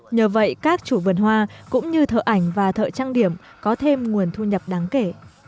nhờ vậy các chủ vườn hoa cũng như thợ ảnh và thợ trang điểm có thêm nguồn thu nhập đáng kể